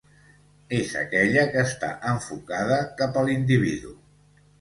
És aquella que està enfocada cap a l'individu.